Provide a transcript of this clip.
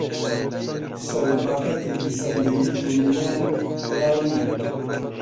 سەر و پاکەتێکی سەندویچ و میوەیان داینێ